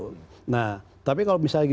nah tapi kalau misalnya gitu ya